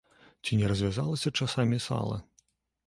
Ці не развязалася часамі сала?